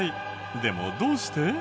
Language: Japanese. でもどうして？